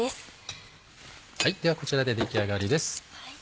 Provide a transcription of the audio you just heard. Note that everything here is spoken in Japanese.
ではこちらで出来上がりです。